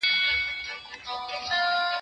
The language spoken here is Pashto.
هغه غر، هغه ئې کربوړی.